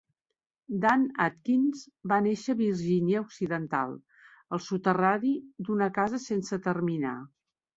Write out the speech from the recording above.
Dan Adkins va néixer a Virgínia Occidental, al soterrani d'una casa sense terminar.